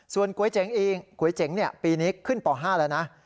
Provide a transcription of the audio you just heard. ส่วนก๋วยเจ๋งเองก๋วยเจ๋งปีนี้ขึ้นป๕แล้วนะ